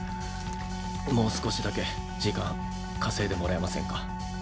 もう少しだけ時間稼いでもらえませんか。